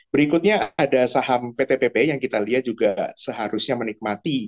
berikutnya ada saham pt pp yang kita lihat juga seharusnya menikmati